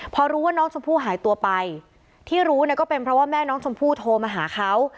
พอรู้ว่าน้องชมพู่หายตัวไปที่รู้เนี่ยก็เป็นเพราะว่าแม่น้องชมพู่โทรมาหาเขา